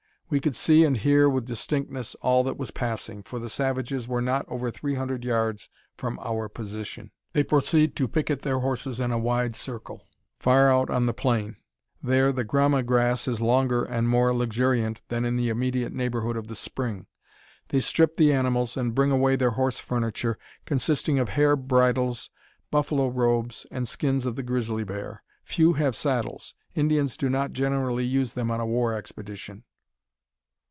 We could see and hear with distinctness all that was passing, for the savages were not over three hundred yards from our position. They proceed to picket their horses in a wide circle, far out on the plain. There the grama grass is longer and more luxuriant than in the immediate neighbourhood of the spring. They strip the animals, and bring away their horse furniture, consisting of hair bridles, buffalo robes, and skins of the grizzly bear. Few have saddles. Indians do not generally use them on a war expedition.